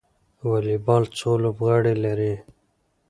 والیبال څو لوبغاړي لري؟